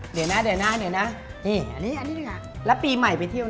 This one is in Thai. พาแฟนไปเที่ยว